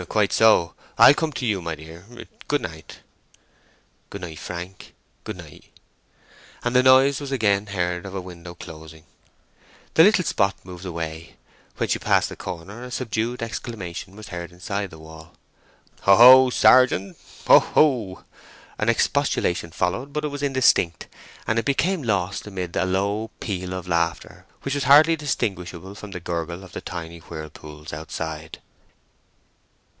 "Quite, so. I'll come to you, my dear. Good night." "Good night, Frank—good night!" And the noise was again heard of a window closing. The little spot moved away. When she passed the corner a subdued exclamation was heard inside the wall. "Ho—ho—Sergeant—ho—ho!" An expostulation followed, but it was indistinct; and it became lost amid a low peal of laughter, which was hardly distinguishable from the gurgle of the tiny whirlpools outside.